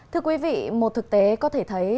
thưa quý vị một thực tế có thể thấy